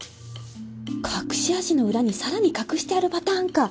隠し味の裏に更に隠してあるパターンか！